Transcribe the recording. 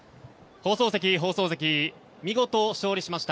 放送席、見事勝利しました